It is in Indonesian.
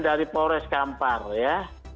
dari polres kampar ya